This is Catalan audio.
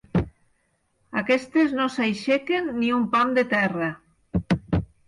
Aquestes no s'aixequen ni un pam de terra.